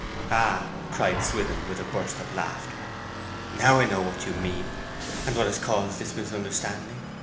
'Ah!' cried Swithin, with a burst of laughter. 'Now I know what you mean, and what has caused this misunderstanding!